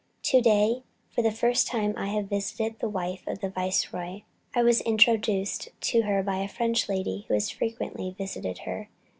"To day for the first time I have visited the wife of the Viceroy. I was introduced to her by a French lady who has frequently visited her.